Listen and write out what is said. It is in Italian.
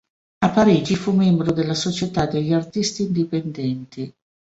A Parigi fu membro della Società degli artisti indipendenti.